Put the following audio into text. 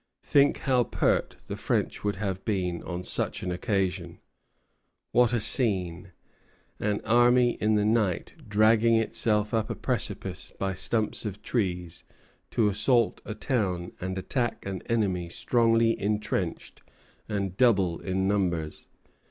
Think how pert the French would have been on such an occasion! What a scene! An army in the night dragging itself up a precipice by stumps of trees to assault a town and attack an enemy strongly intrenched and double in numbers!